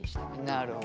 なるほど。